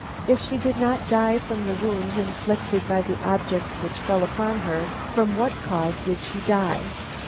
If she did not die from the wounds inflicted by the objects which fell upon her, from what cause did she die?